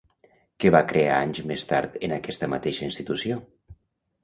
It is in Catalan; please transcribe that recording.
Què va crear anys més tard en aquesta mateixa institució?